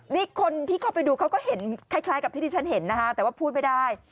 นี่คนที่เข้าไปดูเขาก็เห็นคล้ายกับที่ที่ฉันเห็นนะคะแต่ว่าพูดไม่ได้